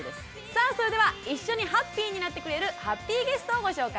さあそれでは一緒にハッピーになってくれるハッピーゲストをご紹介します。